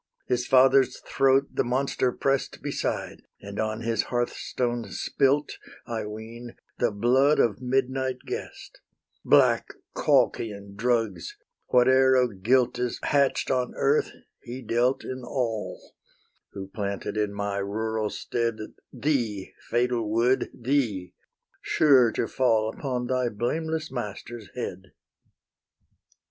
His father's throat the monster press'd Beside, and on his hearthstone spilt, I ween, the blood of midnight guest; Black Colchian drugs, whate'er of guilt Is hatch'd on earth, he dealt in all Who planted in my rural stead Thee, fatal wood, thee, sure to fall Upon thy blameless master's head.